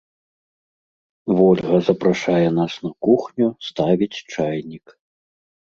Вольга запрашае нас на кухню, ставіць чайнік.